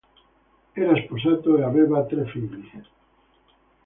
Era sposato e aveva tre figli.